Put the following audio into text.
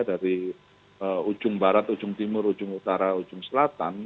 dari ujung barat ujung timur ujung utara ujung selatan